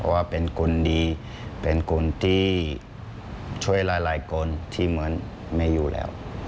ว่าเป็นคนดีเป็นคนที่ช่วยหลายคนที่เหมือนไม่อยู่แล้ว